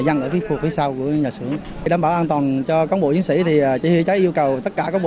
để đảm bảo an toàn cho cán bộ chiến sĩ chứa hóa chất cháy yêu cầu tất cả cán bộ